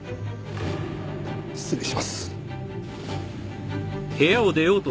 失礼します。